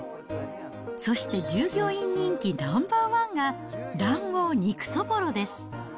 そして従業員人気ナンバーワンが、卵黄・肉そぼろです。